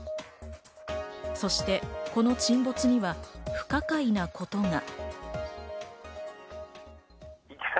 そして、この沈没には不可解なことが。